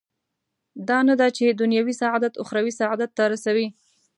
دا نه ده چې دنیوي سعادت اخروي سعادت ته رسوي.